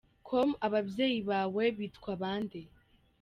com : Ababyeyi bawe bitwa bande ?.